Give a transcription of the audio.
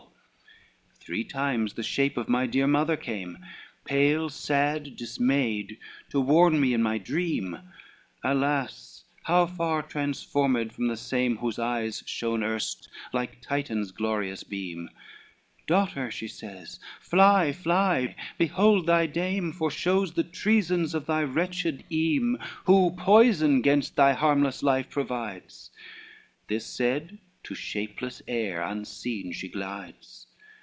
XLIX "Three times the shape of my dear mother came, Pale, sad, dismayed, to warn me in my dream, Alas, how far transformed from the same Whose eyes shone erst like Titan's glorious beam: 'Daughter,' she says, 'fly, fly, behold thy dame Foreshows the treasons of thy wretched eame, Who poison gainst thy harmless life provides:' This said, to shapeless air unseen she glides.